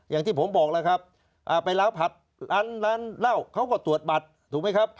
อย่างที่ผมบอกแล้วครับไปล้างผัดร้านเหล้าเขาก็ตรวจบัตรถูกไหมครับ